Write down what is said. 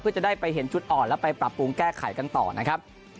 เพื่อจะได้ไปเห็นจุดอ่อนแล้วไปปรับปรุงแก้ไขกันต่อนะครับ